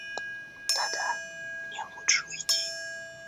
Да да, мне лучше уйти.